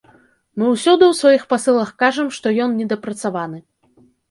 Мы ўсюды ў сваіх пасылах кажам, што ён недапрацаваны.